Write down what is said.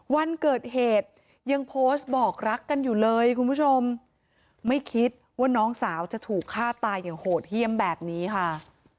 วันเกิดเหตุยังโพสต์บอกรักกันอยู่เลยคุณผู้ชมไม่คิดว่าน้องสาวจะถูกฆ่าตายอย่างโหดเยี่ยมแบบนี้ค่ะ